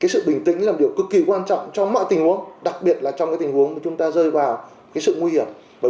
sự bình tĩnh là một điều cực kỳ quan trọng trong mọi tình huống đặc biệt là trong tình huống chúng ta rơi vào sự nguy hiểm